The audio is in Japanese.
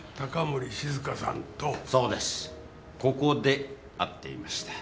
ここで会っていました。